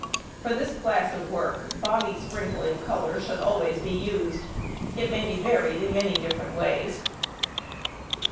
For this class of work body sprinkling colour should always be used. It may be varied in many different ways.